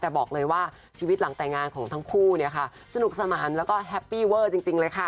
แต่บอกเลยว่าชีวิตหลังแต่งงานของทั้งคู่เนี่ยค่ะสนุกสนานแล้วก็แฮปปี้เวอร์จริงเลยค่ะ